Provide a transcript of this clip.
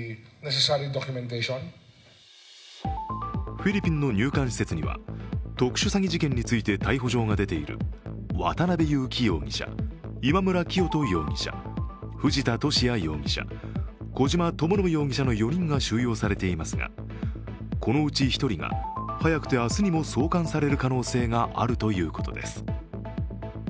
フィリピンの入管施設には特殊詐欺事件について逮捕状が出ている渡辺優樹容疑者、今村磨人容疑者藤田聖也容疑者、小島智信容疑者の４人が収容されていますがこのうち１人が早くて明日にも送還される可能性があるということです。